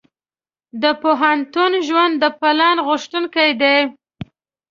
د پوهنتون ژوند د پلان غوښتونکی دی.